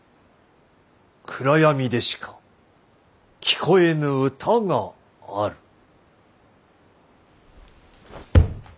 暗闇でしか聴こえぬ歌がある」。